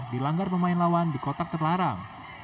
dilanggar pemain lawan di kotak terlarang